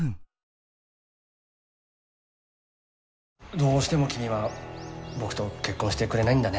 どうしても君は僕と結婚してくれないんだね？